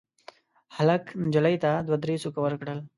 هلک نجلۍ ته دوه درې سوکه ورکړل.